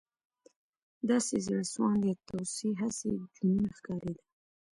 • داسې زړهسواندې توصیې، هسې جنون ښکارېده.